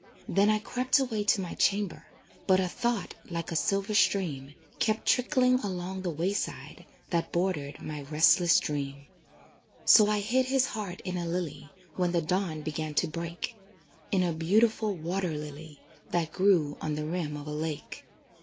Then I crept away to my chamber, But a thought, like a silver stream, Kept trickling along the wayside That bordered my restless dream. So I hid this heart in a lily, When the dawn began to break In a beautiful water lily, That grew on the rim of a lake.